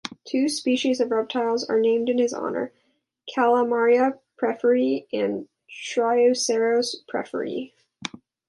Two species of reptiles are named in his honor, "Calamaria pfefferi" and "Trioceros pfefferi".